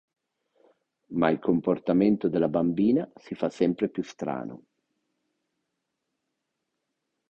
Ma il comportamento della bambina si fa sempre più strano.